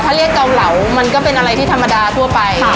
ถ้าเรียกเกาเหลามันก็เป็นอะไรที่ธรรมดาทั่วไป